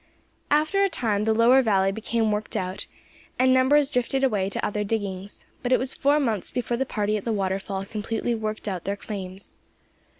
After a time the lower valley became worked out, and numbers drifted away to other diggings; but it was four months before the party at the waterfall completely worked out their claims.